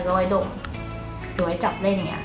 ก็ไว้ดมหรือไว้จับได้อย่างเงี้ย